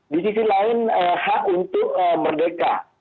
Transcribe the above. di sisi lain hak untuk merdeka